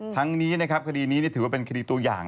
ทั้งนี้นะครับคดีนี้ถือว่าเป็นคดีตัวอย่าง